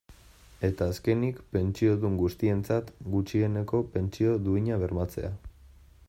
Eta azkenik, pentsiodun guztientzat gutxieneko pentsio duina bermatzea.